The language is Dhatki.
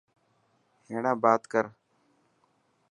هيڻا بات ڪر.